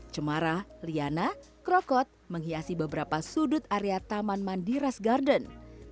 cemara liana krokot menghiasi beberapa sudut area taman mandi ras garden